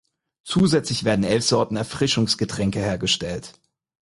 Zusätzlich werden elf Sorten Erfrischungsgetränke hergestellt.